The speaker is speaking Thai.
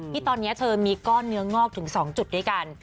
ที่ตอนนี้เธอมีก้อนเนื้องอกถึง๒จุดด้วยกัน